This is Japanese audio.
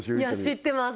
知ってます